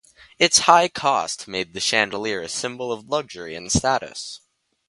Its high cost made the chandelier a symbol of luxury and status.